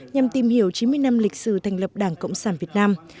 nhằm tìm hiểu chín mươi năm lịch sử thành lập đảng cộng sản việt nam